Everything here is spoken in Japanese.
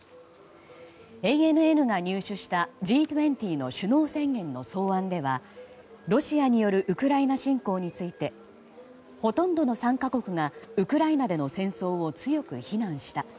ＡＮＮが入手したＧ２０の首脳宣言の草案ではロシアによるウクライナ侵攻についてほとんどの参加国がウクライナでの戦争を強く非難した。